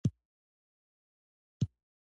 • زوی د پلار د لاس برکت وي.